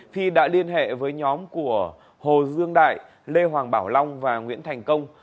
phi đã liên hệ với nhóm của hồ dương đại lê hoàng bảo long và nguyễn thành công